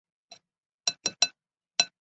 李弘从此失宠。